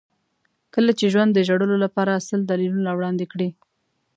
کله چې ژوند د ژړلو لپاره سل دلیلونه وړاندې کړي.